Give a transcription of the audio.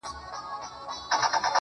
ژړا، سلگۍ زما د ژوند د تسلسل نښه ده.